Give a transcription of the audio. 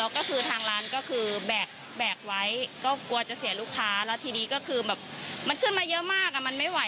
กระทะละ๑๐โลกรัมอย่างนี้นะ